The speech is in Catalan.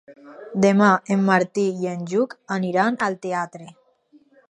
Demà en Martí i en Lluc aniran al teatre.